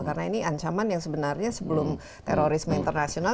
karena ini ancaman yang sebenarnya sebelum terorisme internasional